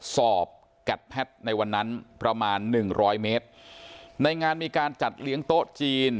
สอบแกดแพทย์ในวันนั้นประมาณหนึ่งร้อยเมตรในงานมีการจัดเลี้ยงโต๊ะจีน